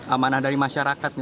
amanah dari masyarakat